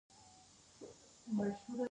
اوس دا لیکنه صیقل شوې ده.